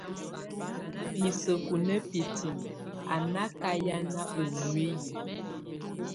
Miseku nábitiŋ anákahian ɔ nuiyik.